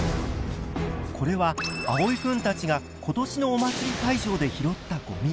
これはあおいくんたちが今年のお祭り会場で拾ったごみ。